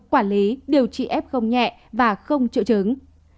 quản lý điều trị ép không nhẹ và không trự trứng